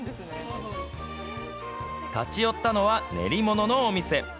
立ち寄ったのは練り物のお店。